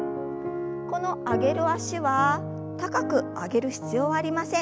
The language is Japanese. この上げる脚は高く上げる必要はありません。